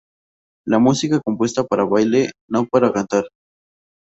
Es música compuesta para baile, no para cantar.